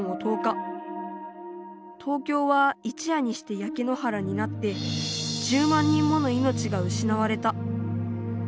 東京は一夜にしてやけ野原になって１０万人もの命がうしなわれた。